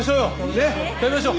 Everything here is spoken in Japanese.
ねっ食べましょう。